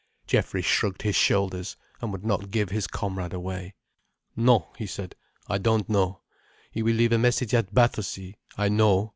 Geoffrey shrugged his shoulders, and would not give his comrade away. "No," he said. "I don't know. He will leave a message at Battersea, I know.